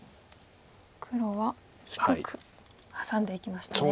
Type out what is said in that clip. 黒は低くハサんでいきましたね。